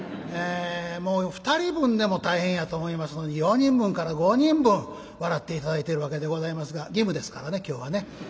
もう２人分でも大変やと思いますのに４人分から５人分笑って頂いてるわけでございますが義務ですからね今日はね。